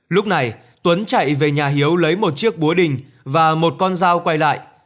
lúc này tuấn chạy về nhà hiếu lấy một chiếc búa đình và một con dao quay lại